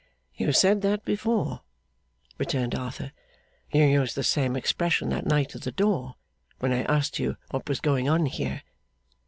'You said that before,' returned Arthur. 'You used the same expression that night, at the door, when I asked you what was going on here.